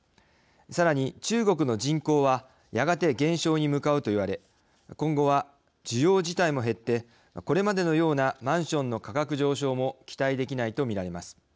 さらに中国の人口はやがて減少に向かうといわれ今後は需要自体も減ってこれまでのようなマンションの価格上昇も期待できないと見られます。